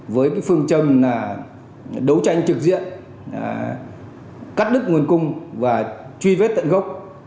với cái phương châm là đấu tranh trực diện cắt đứt nguồn cung và truy vết tận gốc